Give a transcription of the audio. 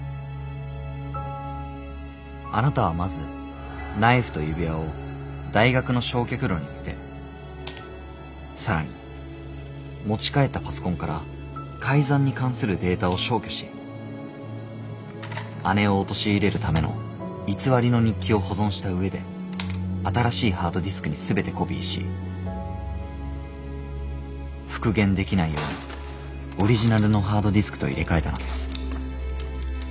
あなたはまずナイフと指輪を大学の焼却炉に捨て更に持ち帰ったパソコンから改ざんに関するデータを消去し姉を陥れるための偽りの日記を保存した上で新しいハードディスクに全てコピーし復元できないようにオリジナルのハードディスクと入れ替えたのです。